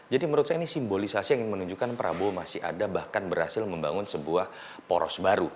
jadi menurut saya ini simbolisasi yang menunjukkan prabowo masih ada bahkan berhasil membangun sebuah poros baru